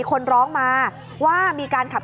ก็ไม่มีอำนาจ